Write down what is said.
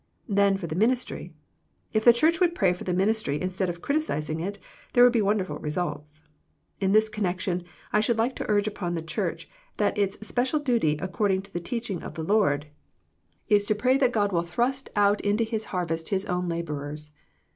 Then for the ministry. If the Church would pray for the ministry instead of criticising it, there would be wonderful results. In this connection I should like to urge upon the Church that its special duty according to the teaching of the Lord is to pray that God will 124 THE PEACTIOE OF PEAYEE thrust out into His harvest His own labourers.